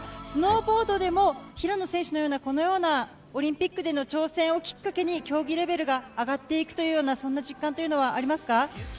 スノーボードでも今回の平野選手のようなオリンピックでの挑戦をきっかけに競技レベルが上がっていくというような実感はありますか。